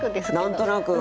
何となく。